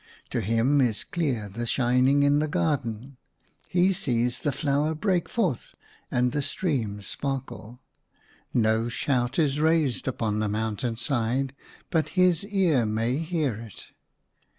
To him is clear the shining in the garden, he sees the flower break forth and the streams sparkle ; no shout is raised upon the mountain side but his ear may hear it.